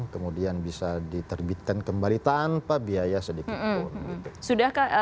kemudian bisa diterbitkan kembali tanpa biaya sedikitpun